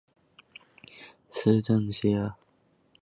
希尔施斯泰因是德国萨克森州的一个市镇。